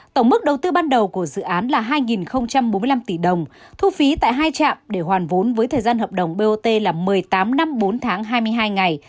tổng mức đầu tư ban đầu của dự án là hai bốn mươi năm tỷ đồng thu phí tại hai trạm để hoàn vốn với thời gian hợp đồng bot là một mươi tám năm bốn tháng hai mươi hai ngày